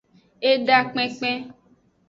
Eda kpenkpen.